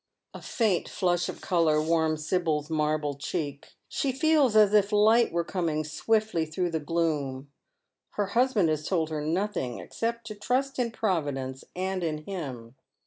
A faint flush of colour waims Sibyl's marble cheek. She feela fts if light were coming swiftly through the gloom. Her hus band has told her nothing, except to trust in Providence and in him.